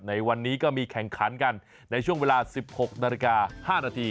ในวันนี้ก็มีแข่งขันกันในช่วงเวลา๑๖นาฬิกา๕นาที